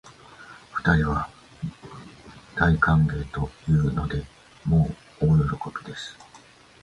二人は大歓迎というので、もう大喜びです